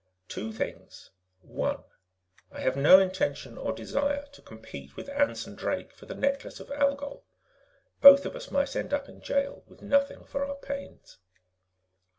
"Two things. One: I have no intention or desire to compete with Anson Drake for the Necklace of Algol. Both of us might end up in jail with nothing for our pains.